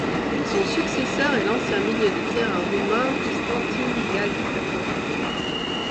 Son successeur est l'ancien milieu de terrain roumain Constantin Gâlcă.